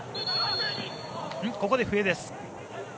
ここで笛です。